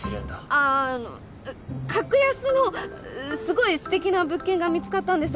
ああの格安のすごいすてきな物件が見つかったんです。